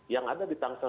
yang ada di tangsel